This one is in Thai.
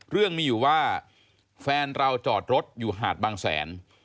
เรื่องมีอยู่ว่าแฟนเราจอดรถอยู่หาดบางแสน